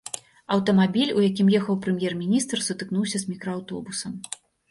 Аўтамабіль, у якім ехаў прэм'ер-міністр, сутыкнуўся з мікрааўтобусам.